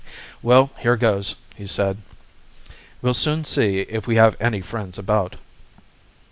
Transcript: "Well, here goes," he said. "We'll soon see if we have any friends about."